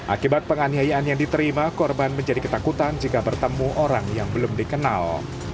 akibat penganiayaan yang diterima korban menjadi ketakutan jika bertemu orang yang belum dikenal